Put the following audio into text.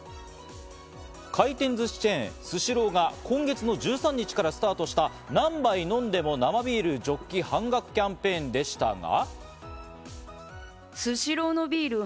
回転ずしチェーン、スシローが今月の１３日からスタートした何杯飲んでも生ビールジョッキ半額キャンペーンでしたが。